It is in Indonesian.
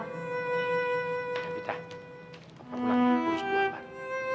evita mama pulang dulu bu ambar